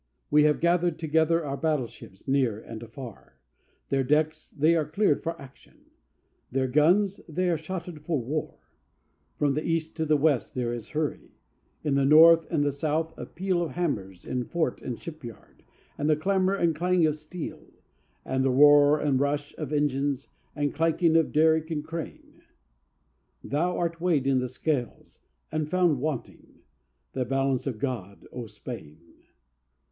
we have gathered together our battleships near and afar; Their decks, they are cleared for action; their guns, they are shotted for war: From the East to the West there is hurry; in the North and the South a peal Of hammers in fort and shipyard, and the clamor and clang of steel; And the roar and the rush of engines, and clanking of derrick and crane Thou art weighed in the Scales and found wanting! the balance of God, O Spain!